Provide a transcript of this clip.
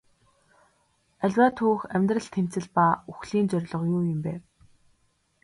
Аливаа түүх амьдрал тэмцэл ба үхлийн зорилго юу юм бэ?